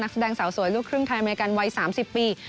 แสดงสาวสวยลูกครึ่งไทยอเมริกันวัย๓๐ปี